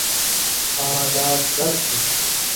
آں، ڈاگدر تُھو۔